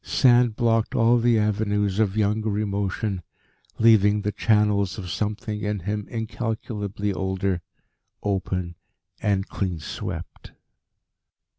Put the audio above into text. Sand blocked all the avenues of younger emotion, leaving the channels of something in him incalculably older, open and clean swept.